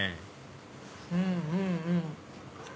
うんうんうん。